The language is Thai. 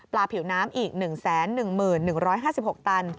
ผิวน้ำอีก๑๑๑๕๖ตัน